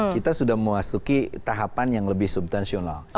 kita sudah memasuki tahapan yang lebih subtansional